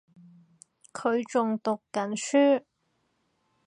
佢仲讀緊書